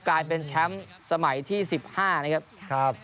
กลายเป็นแชมป์สมัยที่๑๕นะครับ